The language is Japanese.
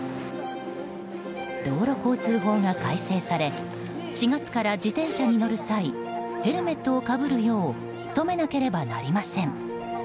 道路交通法が改正され４月から、自転車に乗る際ヘルメットをかぶるよう努めなければなりません。